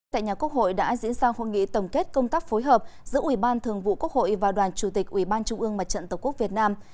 tại nhà quốc hội đã diễn ra hội nghị tổng kết công tác phối hợp giữa ủy ban thường vụ quốc hội và đoàn chủ tịch ủy ban trung ương mặt trận tổ quốc việt nam